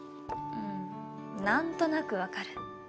うんなんとなく分かる。